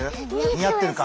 似合ってるか？